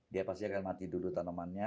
dia pasti akan mati dulu tanamannya